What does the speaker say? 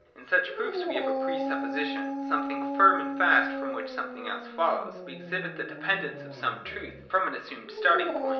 In such proofs we have a pre supposition — something firm and fast, from which something else follows ; we exhibit the de pendence of some truth from an assumed starting point.